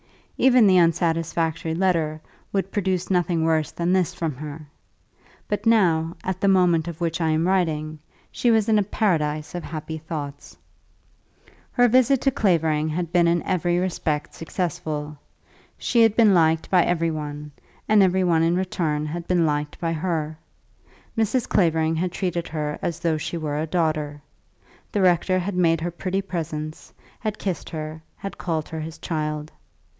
Even the unsatisfactory letter would produce nothing worse than this from her; but now, at the moment of which I am writing, she was in a paradise of happy thoughts. Her visit to Clavering had been in every respect successful. She had been liked by every one, and every one in return had been liked by her. Mrs. Clavering had treated her as though she were a daughter. The rector had made her pretty presents, had kissed her, and called her his child.